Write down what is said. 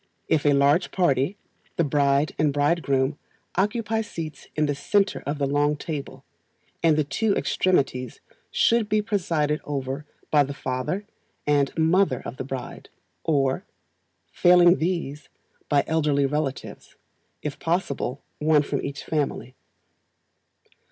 If a large party, the bride and bridegroom occupy seats in the centre of the long table, and the two extremities should be presided over by the father and mother of the bride, or, failing these, by elderly relatives, if possible one from each family.